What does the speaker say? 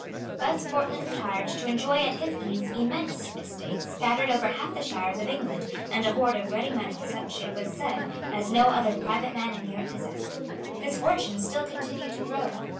Thus Portland retired to enjoy at his ease immense estates scattered over half the shires of England, and a hoard of ready money, such, it was said, as no other private man in Europe possessed. His fortune still continued to grow.